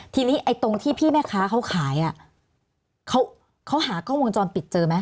ทีนี้ไอ้ตรงที่พี่แม่ค้าเขาขายอ่ะเขาหากล้องวงจรปิดเจอไหม